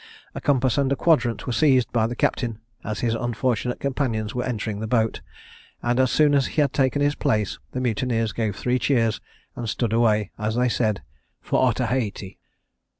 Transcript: A compass and quadrant were seized by the captain as his unfortunate companions were entering the boat; and as soon as he had taken his place, the mutineers gave three cheers, and stood away, as they said, for Otaheite.